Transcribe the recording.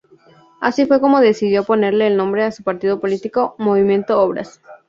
Así fue como decidió ponerle el nombre a su partido político: Movimiento Obras.